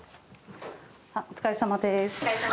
お疲れさまです。